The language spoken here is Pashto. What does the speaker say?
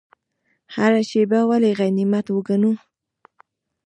هره شیبه ولې غنیمت وګڼو؟